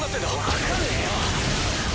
分かんねぇよ。